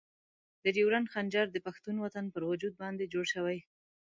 د ډیورنډ خنجر د پښتون وطن پر وجود باندې جوړ شوی.